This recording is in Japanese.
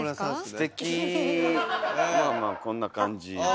ステキまあまあこんな感じで。